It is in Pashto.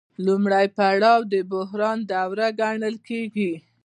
لومړی پړاو د بحران دوره ګڼل کېږي